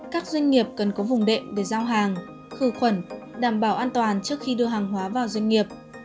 các doanh nghiệp cần có vùng đệm để giao hàng khử khuẩn đảm bảo an toàn trước khi đưa hàng hóa vào doanh nghiệp